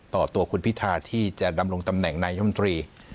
ต่อตัวคุณพิธาที่จะดำรงตำแหน่งนายมนตรี